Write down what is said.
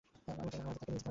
আমাদের তাকে নিয়ে যেতে হবে।